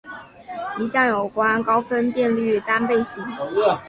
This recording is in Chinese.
一项有关高分辨率单倍型。